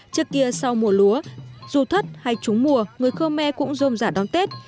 trước kia sau mùa lúa dù thất hay trúng mùa người khmer cũng rôm giả đón tết